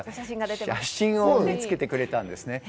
写真を見つけてくれたんですね。